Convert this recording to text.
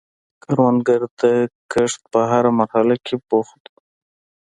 کروندګر د کښت په هره مرحله کې بوخت دی